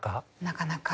なかなか。